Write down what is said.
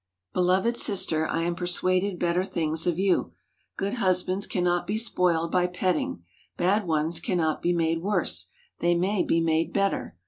Beloved sister, I am persuaded better things of you. Good husbands cannot be spoiled by petting. Bad ones cannot be made worse—they may be made better.